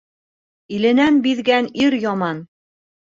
Иленән биҙгән ир яман.